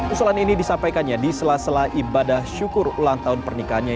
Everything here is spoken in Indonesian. usulan ini disampaikannya di sela sela ibadah syukur ulang tahun pernikahannya